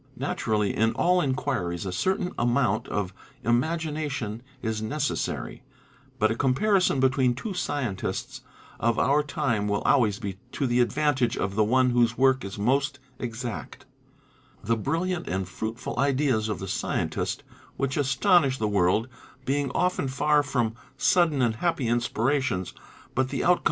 Naturally in all inquiries a certain amount of im agination is necessary; but a comparison between two scientists of our time will always be to the advantage of the one whose work is most exact: the brilliant and fruitful ideas of the scientist which astonish the world being often far from sudden and happy inspirations but the out come of exact research.